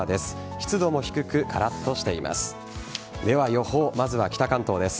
湿度も低く、カラッとしています。